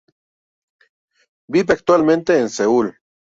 Vive actualmente en Seúl.